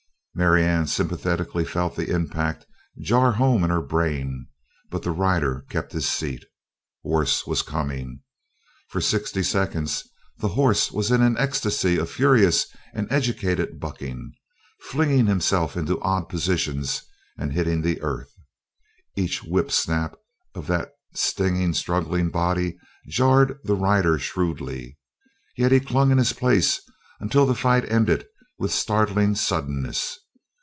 Marianne sympathetically felt that impact jar home in her brain but the rider kept his seat. Worse was coming. For sixty seconds the horse was in an ecstasy of furious and educated bucking, flinging itself into odd positions and hitting the earth. Each whip snap of that stinging struggling body jarred the rider shrewdly. Yet he clung in his place until the fight ended with startling suddenness.